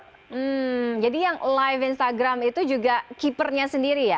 hmm jadi yang live instagram itu juga keepernya sendiri ya